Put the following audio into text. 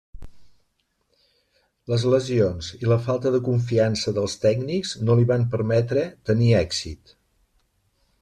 Les lesions i la falta de confiança dels tècnics no li van permetre tenir èxit.